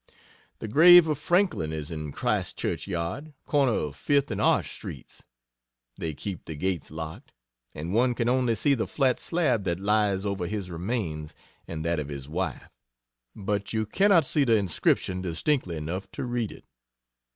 The grave of Franklin is in Christ Church yard, corner of Fifth and Arch streets. They keep the gates locked, and one can only see the flat slab that lies over his remains and that of his wife; but you cannot see the inscription distinctly enough to read it.